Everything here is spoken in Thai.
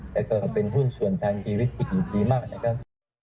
แต่ก็เป็นหุ้นส่วนทางชีวิตที่อยู่ดีมากนะครับ